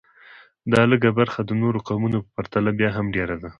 دا لږه برخه د نورو قومونو په پرتله بیا هم ډېره ده